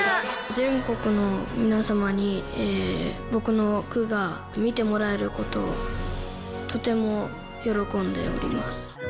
全国の皆様に、僕の句が見てもらえることをとても喜んでおります。